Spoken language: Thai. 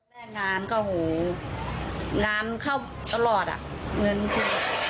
แม่งานก็โอ้โหงานเข้าตลอดอ่ะ